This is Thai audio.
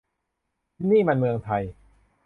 นี่มันเมืองไทย !